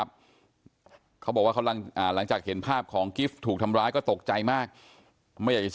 บากลงก็แก้งก็บอกเขาเอาซะไปไหน